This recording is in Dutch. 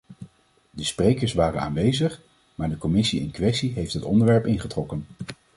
De sprekers waren aanwezig, maar de commissie in kwestie heeft het onderwerp ingetrokken.